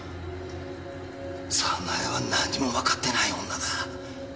早苗は何もわかってない女だ。